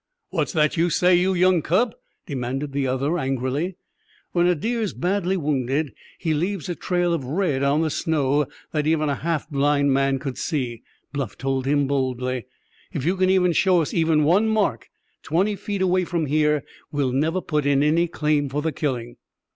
"What's that you say, you young cub?" demanded the other angrily. "When a deer's badly wounded, he leaves a trail of red on the snow that even a half blind man could see," Bluff told him boldly. "If you can show us even one mark twenty feet away from here we'll never put in any claim for the killing."